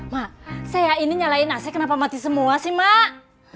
mak saya ini nyalain ac kenapa mati semua sih mak